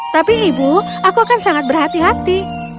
tapi ibu aku akan sangat berhati hati